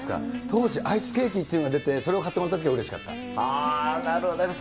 当時、アイスケーキっていうのが出て、それを買ってもらったときは、なるほど。